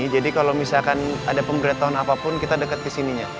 jadi kalau misalkan ada pemberantuan apapun kita dekat kesininya